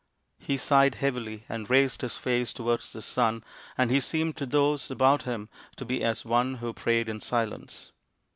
He sighed heavily and raised his face towards the sun, and he seemed to those about him to be as one who prayed in silence.